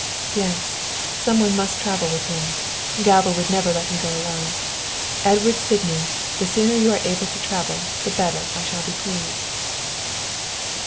"Yes, some one must travel with him Galva would never let him go alone. Edward Sydney, the sooner you are able to travel the better I shall be pleased."